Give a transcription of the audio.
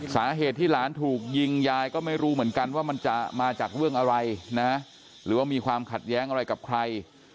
สาเหตุที่หลานถูกยิงยายก็ไม่รู้เหมือนกันว่ามันจะมาจากเรื่องอะไรนะหรือว่ามีความขัดแย้งอะไรกับใคร